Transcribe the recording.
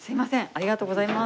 ありがとうございます。